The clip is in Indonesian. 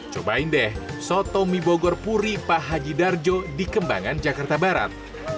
cobain deh soto mie bogor puri pak haji darjo di kembangan jakarta barat